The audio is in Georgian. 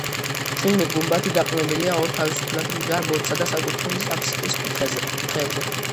შიგნით გუმბათი დაყრდნობილია ორ თავისუფლად მდგარ ბოძსა და საკურთხევლის აფსიდის კუთხეებზე.